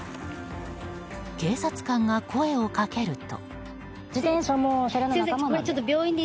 警察官が声をかけると。